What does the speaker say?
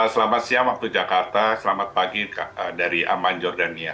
selamat siang waktu jakarta selamat pagi dari aman jordania